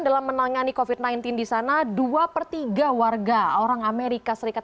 dalam menangani covid sembilan belas di sana dua per tiga warga orang amerika serikat